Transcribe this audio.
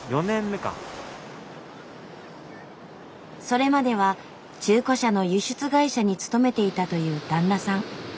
それまでは中古車の輸出会社に勤めていたという旦那さん。